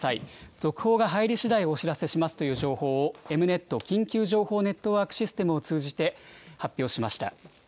続報が入りしだい、お知らせしますという情報を、エムネット・緊急情報ネットワークシステムを通じて、発表しました。